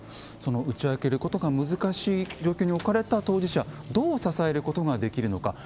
その打ち明けることが難しい状況に置かれた当事者どう支えることができるのか。